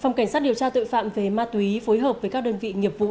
phòng cảnh sát điều tra tội phạm về ma túy phối hợp với các đơn vị nghiệp vụ